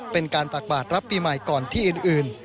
เป็นการตักบาดรับปีใหม่ก่อนที่อื่น